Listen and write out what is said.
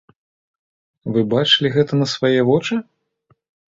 Вы бачылі гэта на свае вочы?